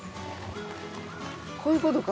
こういうことか。